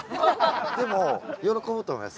でも喜ぶと思います。